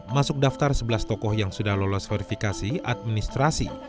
masuk daftar sebelas tokoh yang sudah lolos verifikasi administrasi